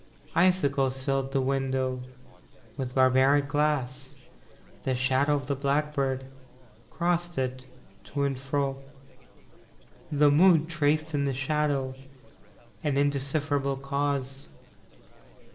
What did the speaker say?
VI Icicles filled the window With barbaric glass. The shadow of the blackbird Crossed it, to and fro. The Mood Traced in the shadow An indecipherable cause.